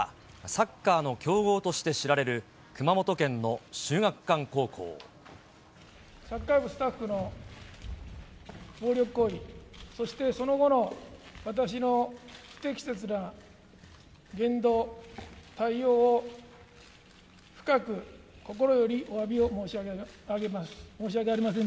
サッカー部スタッフの暴力行為、そして、その後の私の不適切な言動、対応を深く心よりおわびを申し上げます。